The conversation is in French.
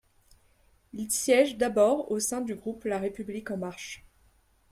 Il siège d’abord au sein du groupe La République en marche.